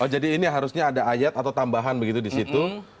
jadi ini harusnya ada ayat atau tambahan begitu di situ